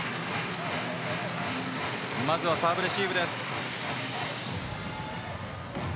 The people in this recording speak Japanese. まずは、サーブレシーブです。